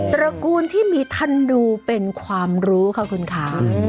ตระกูลที่มีธนูเป็นความรู้ค่ะคุณค่ะ